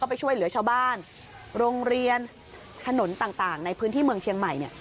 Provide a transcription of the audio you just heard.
ไปช่วยเหลือชาวบ้านโรงเรียนถนนต่างในพื้นที่เมืองเชียงใหม่เนี่ย